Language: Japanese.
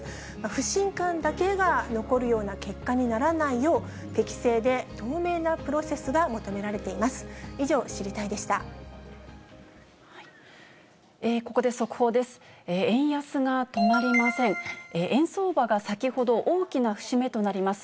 不信感だけが残るような結果にならないよう、適正で透明なプロセスが求められています。